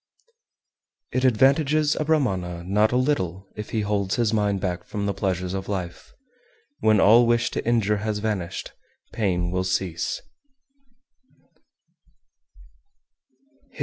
390. It advantages a Brahmana not a little if he holds his mind back from the pleasures of life; when all wish to injure has vanished, pain will cease.